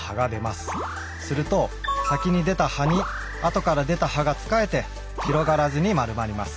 すると先に出た葉に後から出た葉がつかえて広がらずに丸まります。